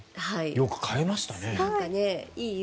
よく買えましたね。